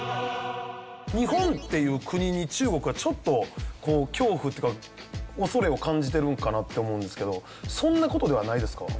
日本っていう国に中国がちょっと恐怖っていうか恐れを感じてるんかなって思うんですけどそんな事ではないですか？